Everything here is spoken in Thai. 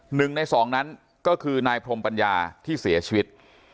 หนึ่งในสองนั้นก็คือนายพรมปัญญาที่เสียชีวิต